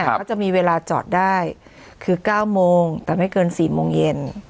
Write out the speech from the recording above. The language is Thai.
เขาจะมีเวลาจอดได้คือ๙โมงแต่ไม่เกิน๔โมงเย็น